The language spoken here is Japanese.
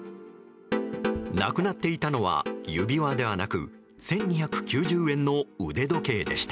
なくなっていたのは指輪ではなく１２９０円の腕時計でした。